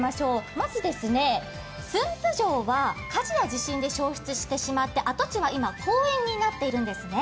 まず駿府城は火事や地震で焼失してしまって跡地は今、公園になっているんですね。